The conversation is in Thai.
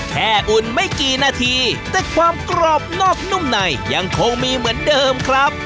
อุ่นไม่กี่นาทีแต่ความกรอบนอกนุ่มในยังคงมีเหมือนเดิมครับ